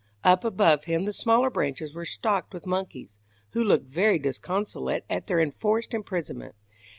Up above him the smaller branches were stocked with monkeys, who looked very disconsolate at their enforced imprisonment.